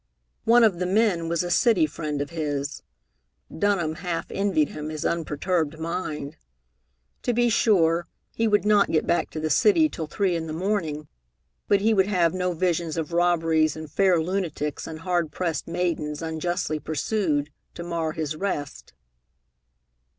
One of the men was a city friend of his. Dunham half envied him his unperturbed mind. To be sure, he would not get back to the city till three in the morning, but he would have no visions of robberies and fair lunatics and hard pressed maidens unjustly pursued, to mar his rest.